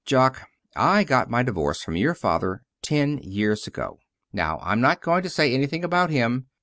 Jock, I got my divorce from your father ten years ago. Now, I'm not going to say anything about him.